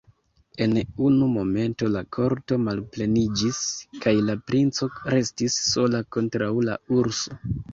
En unu momento la korto malpleniĝis, kaj la princo restis sola kontraŭ la urso.